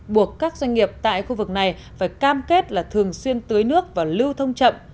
buộc các doanh nghiệp tại khu vực này phải cam kết là thường xuyên tưới nước và lưu thông chậm